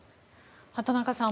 畑中さん